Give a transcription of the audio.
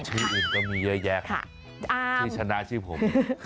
ชื่ออื่นก็มีเยอะแยะที่ชนะชื่อผม